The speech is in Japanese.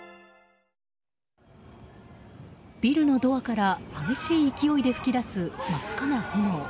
ビルのドアから激しい勢いで噴き出す真っ赤な炎。